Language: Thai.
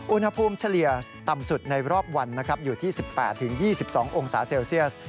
อุณหภูมิเฉลี่ยต่ำสุดในรอบวันนะครับอยู่ที่๑๘๒๒องศาเซลเซียส